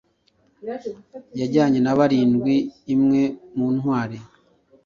Yajyanye na barindwi imwe mu ntwari